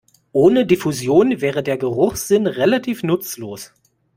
Ohne Diffusion wäre der Geruchssinn relativ nutzlos.